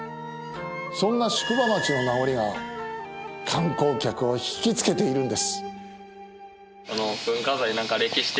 そんな宿場町の名残が観光客を引きつけているんです。